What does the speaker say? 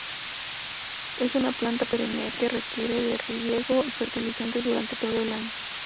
Es una planta perenne que requiere de riego y fertilizantes durante todo el año.